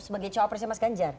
sebagai cowok presiden mas ganjar